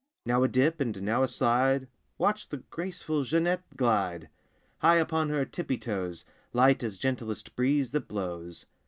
Now a dip and now a slide— Watch the graceful Jeanette glide! High upon her tippy toes, Light as gentlest breeze that blows.